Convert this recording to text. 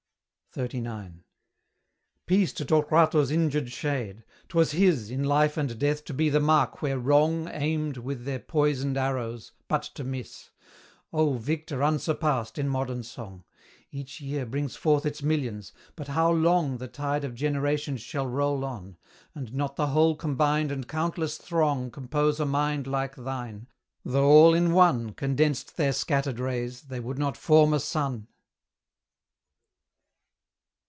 XXXIX. Peace to Torquato's injured shade! 'twas his In life and death to be the mark where Wrong Aimed with their poisoned arrows but to miss. Oh, victor unsurpassed in modern song! Each year brings forth its millions; but how long The tide of generations shall roll on, And not the whole combined and countless throng Compose a mind like thine? Though all in one Condensed their scattered rays, they would not form a sun.